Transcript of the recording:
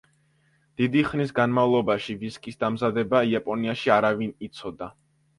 დიდი ხნის განმავლობაში ვისკის დამზადება იაპონიაში არავინ იცოდა.